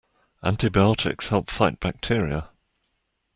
Antibiotics help fight bacteria.